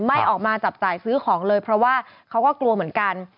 ไม่ออกมาจับจ่ายซื้อของเลยเพราะว่าเขาก็กลัวเหมือนกัน